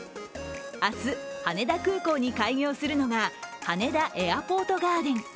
明日、羽田空港に開業するのが羽田エアポートガーデン。